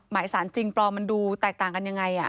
หมายสารจริงปลอมมันดูแตกต่างกันยังไง